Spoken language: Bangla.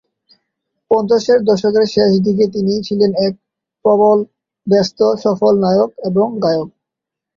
পঞ্চাশের দশকের শেষ দিকে তিনি ছিলেন এক প্রবল ব্যস্ত, সফল নায়ক এবং গায়ক।